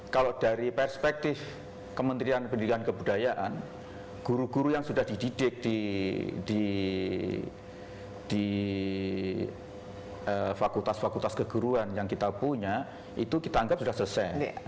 kalau dari perspektif kementerian pendidikan kebudayaan guru guru yang sudah dididik di fakultas fakultas keguruan yang kita punya itu kita anggap sudah selesai